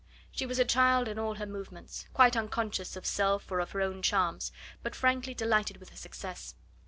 She was a child in all her movements, quite unconscious of self or of her own charms, but frankly delighted with her success.